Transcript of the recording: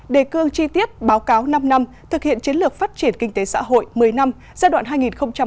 đề cương chi tiết báo cáo năm năm thực hiện chiến lược phát triển kinh tế xã hội một mươi năm giai đoạn hai nghìn một mươi một hai nghìn ba mươi